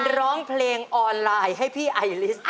ร้องเพลงออนไลน์ให้พี่ไอลิส